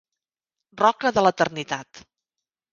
Roca de l'eternitat.